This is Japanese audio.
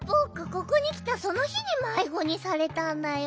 ここにきたそのひにまいごにされたんだよ。